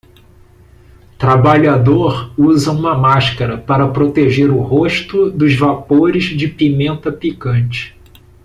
Trabalhador usa uma máscara para proteger o rosto dos vapores de pimenta picante.